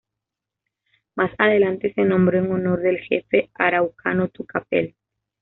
Más adelante se nombró en honor del jefe araucano Tucapel.